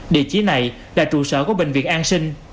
địa chỉ này là trụ sở của bệnh viện an sinh